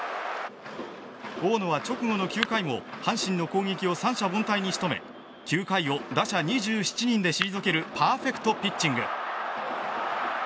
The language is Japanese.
大野は直後の９回も阪神の攻撃を三者凡退に仕留め９回を打者２７人で退けるパーフェクトピッチング。